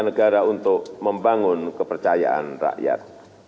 negara untuk membangun kepercayaan rakyat